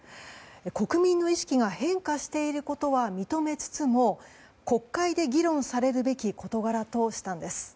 国民の意識が変化していることは認めつつも国会で議論されるべき事柄としたんです。